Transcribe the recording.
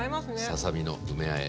ささ身の梅あえ。